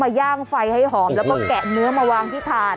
ย่างไฟให้หอมแล้วก็แกะเนื้อมาวางที่ถ่าน